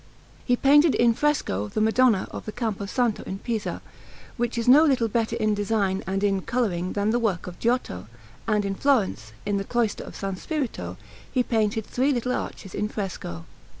He painted in fresco the Madonna of the Campo Santo in Pisa, which is no little better in design and in colouring than the work of Giotto; and in Florence, in the cloister of S. Spirito, he painted three little arches in fresco.